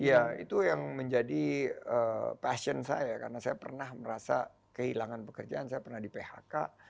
ya itu yang menjadi passion saya karena saya pernah merasa kehilangan pekerjaan saya pernah di phk